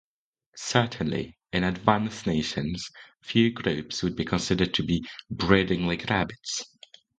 Certainly, in advanced nations, few groups would be considered to be "breeding like rabbits".